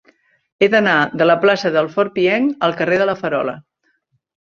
He d'anar de la plaça del Fort Pienc al carrer de La Farola.